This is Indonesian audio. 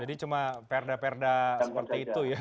jadi cuma perda perda seperti itu ya